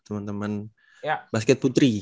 teman teman basket putri